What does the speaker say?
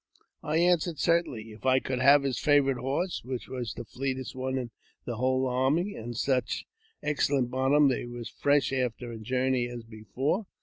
I answered, certainly, if I could have his favourite horse which was the fleetest one in the whole army, and such excellent bottom that he was as fresh after a journey as before.